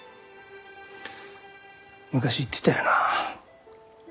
昔言ってたよな？